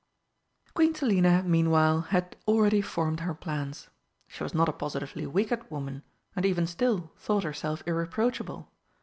Queen Selina meanwhile had already formed her plans. She was not a positively wicked woman, and even still thought herself irreproachable.